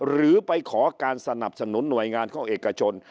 หรือไปขอการสนับสนุนหน่วยงานของเอกชน